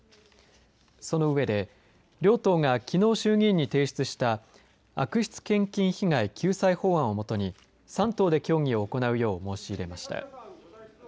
その上で両党がきのう衆議院に提出した悪質献金被害救済法案をもとに３党で協議を行うよう申し入れました。